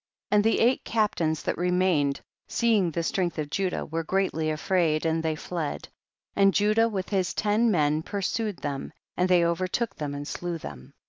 46. And the eight captains that remained, seeing the strength of Ju dah, were greatly afraid and they fled, and Judah with his ten men pur sued them, and they overtook them and slew them.